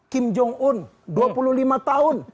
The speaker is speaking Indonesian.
kim jong un dua puluh lima tahun